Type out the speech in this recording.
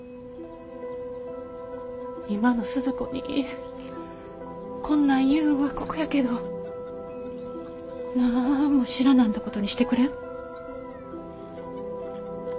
今のスズ子にこんなん言うんは酷やけどなんも知らなんだことにしてくれん？